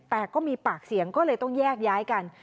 แต่ก็มีปากเสียงก็เลยต้องแยกย้ายกัน